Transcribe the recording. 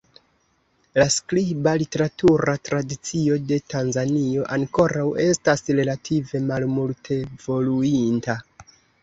La skriba literatura tradicio de Tanzanio ankoraŭ estas relative malmultevoluinta.